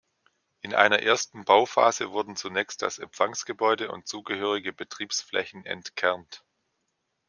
In einer ersten Bauphase wurden zunächst das Empfangsgebäude und zugehörige Betriebsflächen entkernt.